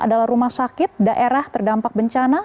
adalah rumah sakit daerah terdampak bencana